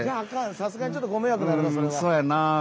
さすがにちょっとご迷惑になるなそれは。